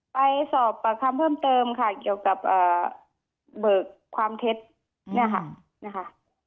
ไปสอบปากคำเพิ่มเติมค่ะเกี่ยวกับเบิกความเท็จเนี่ยค่ะนะคะ